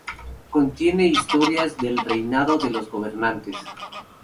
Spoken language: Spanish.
Contiene historias del reinado de los gobernantes.